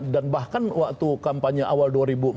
dan bahkan waktu kampanye awal dua ribu empat belas